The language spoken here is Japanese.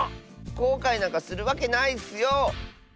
こうかいなんかするわけないッスよ！